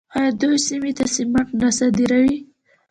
آیا دوی سیمې ته سمنټ نه صادروي؟